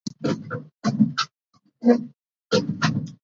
მისი შვილები, ჯეინ და პიტერ ფონდები, აგრეთვე მსახიობები გახდნენ.